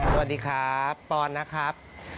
สวัสดีครับปอนนะครับ